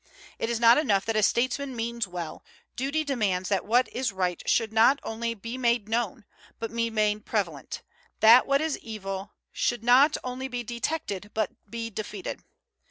It is not enough that a statesman means well; duty demands that what is right should not only be made known, but be made prevalent, that what is evil should not only be detected, but be defeated.